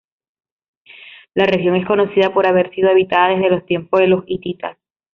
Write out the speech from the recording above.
La región es conocida por haber sido habitada desde los tiempos de los hititas.